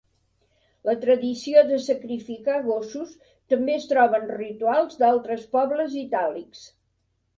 La tradició de sacrificar gossos també es troba en rituals d'altres pobles itàlics.